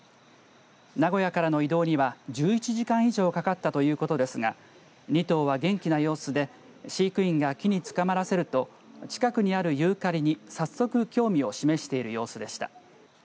名古屋からの移動には１１時間以上かかったということですが２頭は元気な様子で飼育員が木につかまらせると近くにあるユーカリに早速興味を示している様子でした。